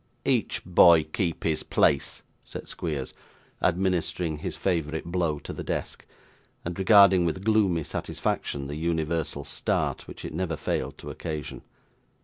'Each boy keep his place,' said Squeers, administering his favourite blow to the desk, and regarding with gloomy satisfaction the universal start which it never failed to occasion.